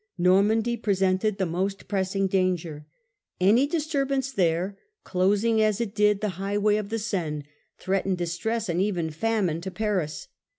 Normandy presented the most press Normandy. ing danger. Any disturbance there, closing as it did the highway of the Seine, threatened distress and even famine to Paris.